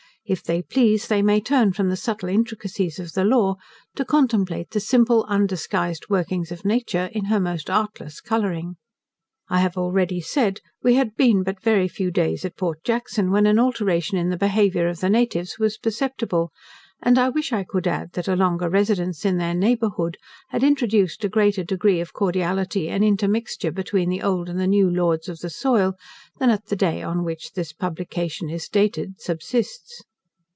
If they please, they may turn from the subtle intricacies of the law, to contemplate the simple, undisguised workings of nature, in her most artless colouring. I have already said, we had been but very few days at Port Jackson, when an alteration in the behaviour of the natives was perceptible; and I wish I could add, that a longer residence in their neighbourhood had introduced a greater degree of cordiality and intermixture between the old, and new, lords of the soil, than at the day on which this publication is dated subsists.